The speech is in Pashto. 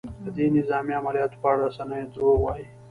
د دې نظامي عملیاتو په اړه رسنیو ته دروغ وايي؟